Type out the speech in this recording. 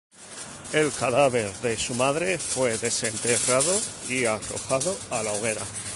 El cadáver de su madre fue desenterrado y arrojado a la hoguera.